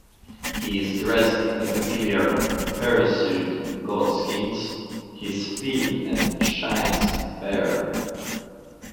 He is dressed in the familiar hirsute goatskins, his feet and shins bare.